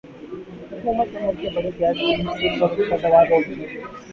حکومت نے ملک کے بڑے گیس فیلڈز سے پیداوار روک دی